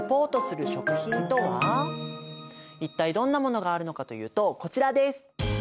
一体どんなものがあるのかというとこちらです。